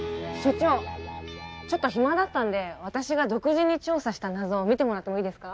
長ちょっと暇だったんで私が独自に調査した謎を見てもらってもいいですか？